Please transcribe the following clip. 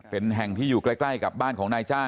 เป็นแห่งที่อยู่ใกล้กับบ้านของนายจ้าง